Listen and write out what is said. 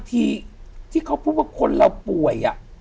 ที่เขาพูดว่าคนเราป่วย